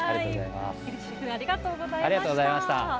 シェフありがとうございました。